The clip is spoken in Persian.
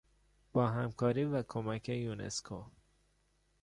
با همکاری و کمک یونسکو